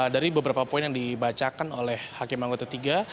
dari beberapa poin yang dibacakan oleh hakim anggota tiga